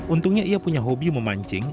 untungnya ia punya hobi memancing